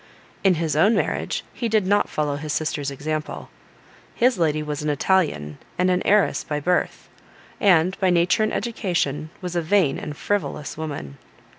In his own marriage he did not follow his sister's example. His lady was an Italian, and an heiress by birth; and, by nature and education, was a vain and frivolous woman.